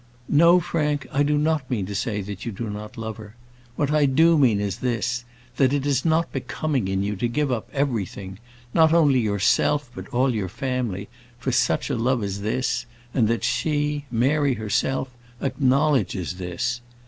"No, Frank; I do not mean to say that you do not love her. What I do mean is this: that it is not becoming in you to give up everything not only yourself, but all your family for such a love as this; and that she, Mary herself, acknowledges this.